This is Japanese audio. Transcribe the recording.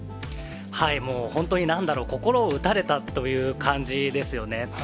もう本当になんだろう、心を打たれたという感じですよね。